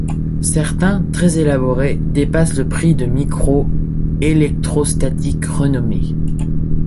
Certains, très élaborés, dépassent le prix de micros électrostatiques renommés.